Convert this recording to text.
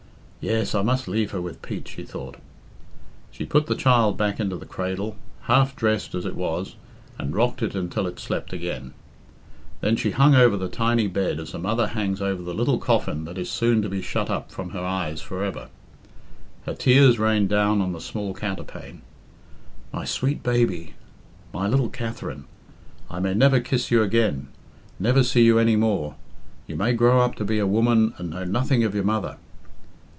"Yes, I must leave her with Pete," she thought. She put the child back into the cradle, half dressed as it was, and rocked it until it slept again. Then she hung over the tiny bed as a mother hangs over the little coffin that is soon to be shut up from her eyes for ever. Her tears rained down on the small counterpane. "My sweet baby I my little Katherine! I may never kiss you again never see you any more' you may grow up to be a woman and know nothing of your mother!"